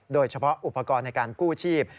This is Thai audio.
โดยเฉพาะอุปกรณ์ในการกู้ชีพ